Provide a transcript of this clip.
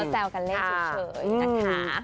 แซวกันเลยเฉย